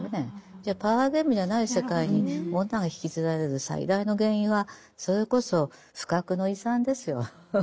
じゃあパワーゲームじゃない世界に女が引きずられる最大の原因はそれこそ不覚の違算ですよ。